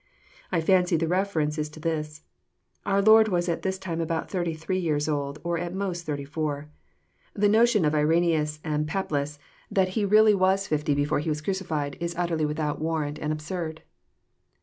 I fancy the reference is to this.^Our Lord was at this time about thirty three years old, or at most thirty four. The notion of IrensBus and Papias that He 132 EXPOSITORY THOUGHTS. really was fifty before He was craclfled, is utterly without war* rant, and absurd.